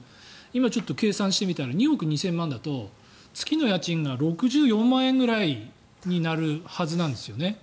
今ちょっと計算してみたら２億２０００万円だと月の家賃が６４万円くらいになるはずなんですよね。